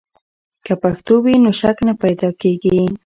که پښتو وي، نو شک نه پیدا کیږي.